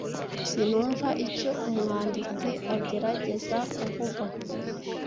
Sinumva icyo umwanditsi agerageza kuvuga.